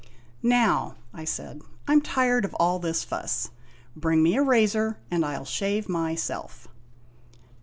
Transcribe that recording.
" Now," I said, " I 'm tired of all this fuss. Bring me a razor, and I '11 shave myself."